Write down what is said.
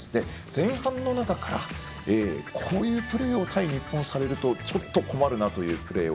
前半の中からこういうプレーを対日本にされるとちょっと困るなというプレーを